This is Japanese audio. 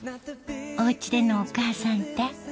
お家でのお母さんって？